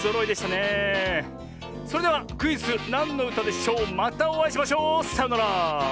それではクイズ「なんのうたでしょう」またおあいしましょう。さようなら！